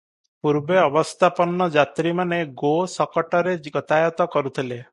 ପୂର୍ବେ ଅବସ୍ଥାପନ୍ନ ଯାତ୍ରୀମାନେ ଗୋ-ଶକଟରେ ଗତାୟତ କରୁଥିଲେ ।